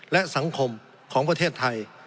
และสังคมของประเทศไทย